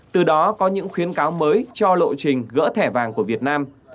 từ đó có những khuyến cáo mới cho lộ trình gỡ thẻ vàng của việt nam